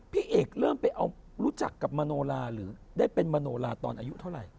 พี่เอกเริ่มไปเอารู้จักกับมโนลาหรือได้เป็นมโนลาตอนอายุเท่าไหร่